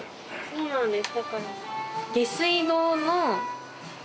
そうなんです。